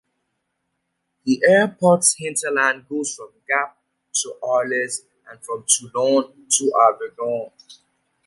The airport's hinterland goes from Gap to Arles and from Toulon to Avignon.